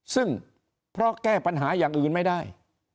ซึ่งเพราะแก้ปัญหาอย่างอื่นไม่ได้